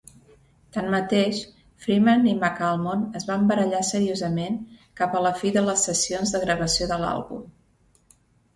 Tanmateix, Freeman i McAlmont es van barallar seriosament cap a la fi de les sessions de gravació de l'àlbum.